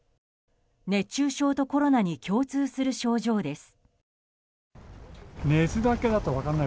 熱中症とコロナに共通する症状です。